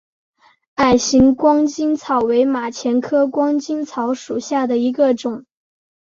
矮形光巾草为马钱科光巾草属下的一个种。